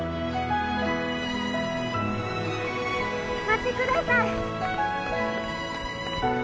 待ってください！